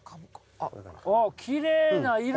あっきれいな色！